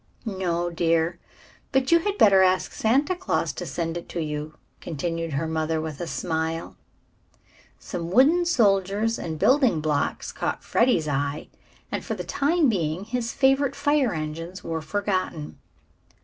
"No, dear; but you had better ask Santa Claus to send it to you," continued her mother with a smile. Some wooden soldiers and building blocks caught Freddie's eye, and for the time being his favorite fire engines were forgotten.